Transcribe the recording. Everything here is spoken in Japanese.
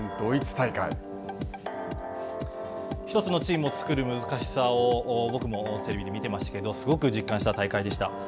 １つのチームを作る難しさを僕もテレビで見てましたけど、すごく実感した大会でした。